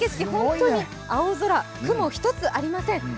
本当に青空、雲一つありません。